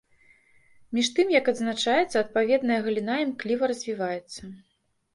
Між тым, як адзначаецца, адпаведная галіна імкліва развіваецца.